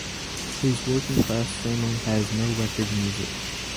His working-class family has no record music.